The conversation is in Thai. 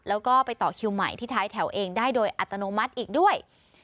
แล้วก็ไปต่อคิวใหม่ที่ท้ายแถวเองได้โดยอัตโนมัติอีกด้วย